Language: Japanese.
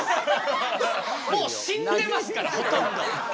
もう死んでますからほとんど。